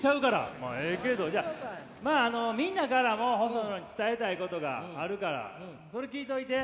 まあええけどじゃあまあみんなからもホソノに伝えたいことがあるからそれ聞いといて。